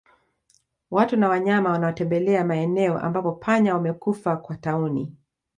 Watu na wanyama wanaotembelea maeneo ambapo panya wamekufa kwa tauni